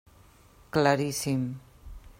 Claríssim.